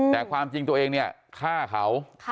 แต่ความจริงตัวเองเนี่ยฆ่าเขา